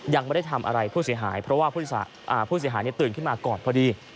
ยังไม่ได้ทำอะไรผู้เสียหายเพราะว่าผู้เสียหายตื่นขึ้นมาก่อนพอดี